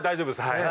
はい。